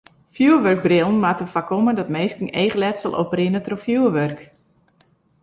Fjoerwurkbrillen moatte foarkomme dat minsken eachletsel oprinne troch fjoerwurk.